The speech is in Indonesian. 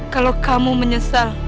kalau kamu menyesal